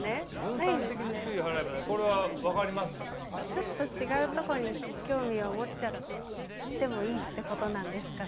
ちょっと違うとこに興味を持っちゃってもいいってことなんですかね？